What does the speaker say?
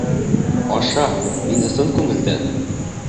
Аша, мин ысын күңелдән...